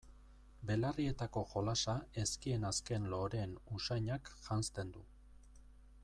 Belarrietako jolasa ezkien azken loreen usainak janzten du.